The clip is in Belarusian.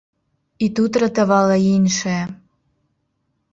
І тут ратавала іншае.